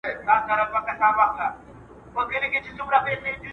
جنګونه د تمدنونو د له منځه وړلو لامل ګرځي.